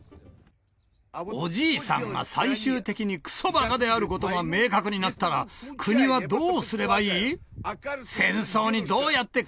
おじいさんが最終的にくそばかであることが明確になったら、国はどうすればいい？